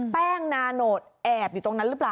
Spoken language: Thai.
แป้งนาโนตแอบอยู่ตรงนั้นหรือเปล่า